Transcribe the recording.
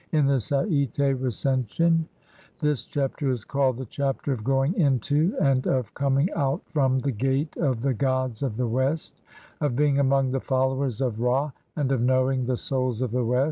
In the Sa'ite Recension (see Lepsius, op. cit., Bl. 3 9) this Chapter is called the "CHAPTER OF GOING INTO AND OF COMING OUT FROM THE GATE OF THE GODS OF THE WEST, OF BEING AMONG THE FOLLOWERS OF RA, AND OF KNOWING THE SOULS OF THE WF.